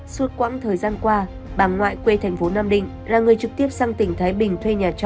suốt quãng thời gian qua bà ngoại quê thành phố nam định là người trực tiếp sang tỉnh thái bình